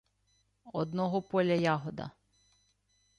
Одного поля ягода.